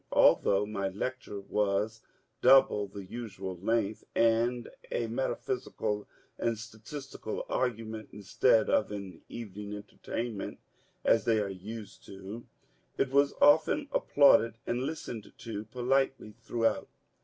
Although my lecture was double the usual length, and a metaphysical and statistical argument instead of an evening's entertainment (as they are used to), it was often applauded, and listened to politely throughout.